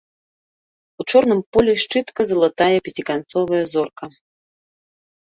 У чорным полі шчытка залатая пяціканцовая зорка.